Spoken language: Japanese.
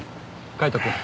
カイトくん。